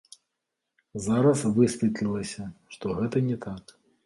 Зараз высветлілася, што гэта не так.